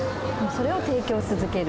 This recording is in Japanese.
それを提供し続ける？